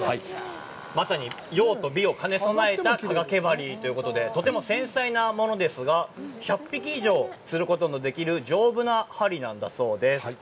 まさに「用と美」を兼ね備えた加賀毛針ということで、とても繊細なものですが、１００匹以上釣ることのできる丈夫な針なんだそうです。